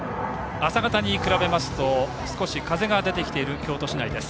朝方に比べますと少し風が出てきている京都市内です。